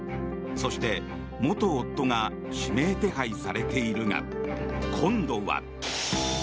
そして、元夫が指名手配されているが今度は。